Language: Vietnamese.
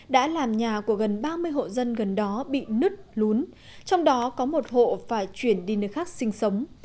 đã làm nhà của gần ba mươi hộ dân gần đó bị nứt lún trong đó có một hộ phải chuyển đi nơi khác sinh sống